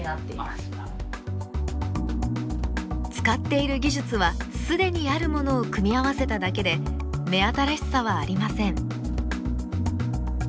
使っている技術は既にあるものを組み合わせただけで目新しさはありません。